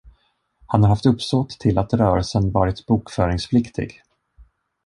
Han har haft uppsåt till att rörelsen varit bokföringspliktig.